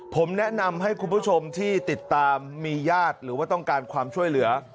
ผมแนะนำให้คุณผู้ชมที่ติดตามมีญาติหรือว่าต้องการความช่วยเหลือ